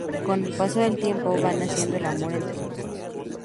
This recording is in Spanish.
Con el paso del tiempo va naciendo el amor entre los dos.